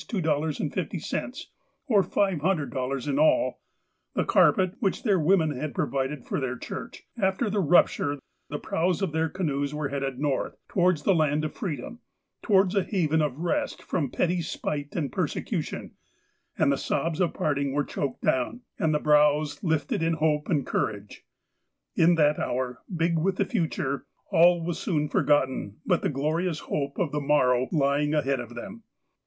50, or $500 in all, the carpet, which their women had provided for their church, after the rupture, the prows of their canoes were headed North, towards the land of freedom, towards a haven of rest from petty spite and persecution, and the sobs of parting were choked down, and the brows lifted in hope and courage. In that hour, big with the future, all was soon forgot ten but the glorious hope of the morrow lying ahead of them.